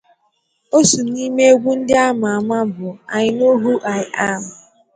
Otu n’ime egwu ndị ama ama bụ ‘I Know Who I Am’.